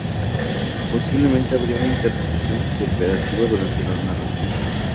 Posiblemente habría una interrupción cooperativa durante la narración.